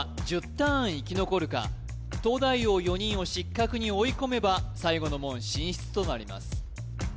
ターン生き残るか東大王４人を失格に追い込めば最後の門進出となります